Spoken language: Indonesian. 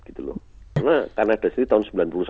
karena kanada itu tahun seribu sembilan ratus sembilan puluh satu